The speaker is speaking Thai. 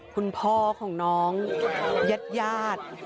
คุณพ่อของน้องยาดยาด